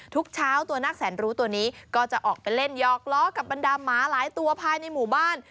ทุกเช้าตัวนักแสนรู้ตัวนี้ก็จะออกไปเล่นหยอกล้อกับบรรดาหมาหลายตัวภายในหมู่บ้าน